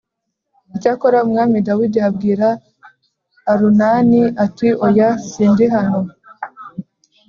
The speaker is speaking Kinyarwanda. Icyakora Umwami Dawidi abwira Orunani ati oya sindihano